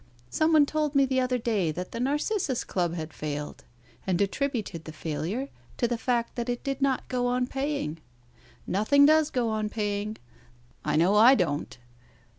Some one told me the other day that the Narcissus Club had failed, and attributed the failure to the fact that it did not go on paying. Nothing does go on paying. I know I don't."